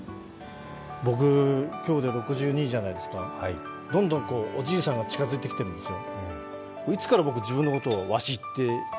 僕、今日で６２じゃないですかどんどんおじいさんが近づいてきてるんですよ。